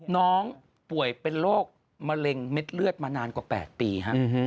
น้องป่วยเป็นโรคมะเร็งเม็ดเลือดมานานกว่า๘ปี